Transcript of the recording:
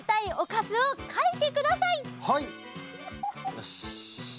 よし！